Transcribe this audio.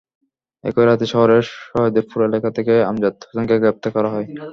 একই রাতে শহরের সহদেবপুর এলাকা থেকে আমজাদ হোসেনকে গ্রেপ্তার করা হয়।